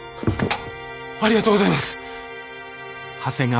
ありがとうございます！